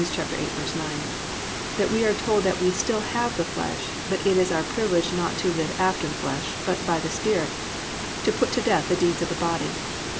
8:9) that we are told that we still have the flesh, but that it is our privilege not to "live after the flesh," but "by the Spirit," to "put to death the deeds of the body."